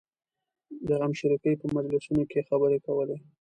د غمشریکۍ په مجلسونو کې یې خبرې کولې.